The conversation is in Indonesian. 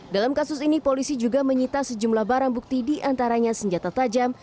dalam kasus ini polisi juga menyita sejumlah barang bukti diantaranya senjata tajam